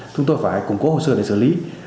chúng tôi phải củng cố hồ sơ để xử lý